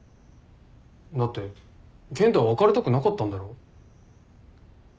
だって健人は別れたくなかったんだろ？